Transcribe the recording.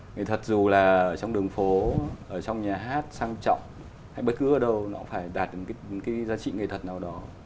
nghệ thuật dù là trong đường phố ở trong nhà hát sang trọng hay bất cứ ở đâu nó cũng phải đạt được cái giá trị nghệ thuật nào đó